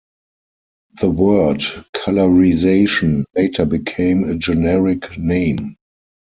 The word "colorization" later became a generic name.